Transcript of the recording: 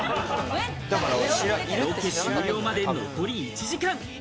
ロケ終了まで残り１時間。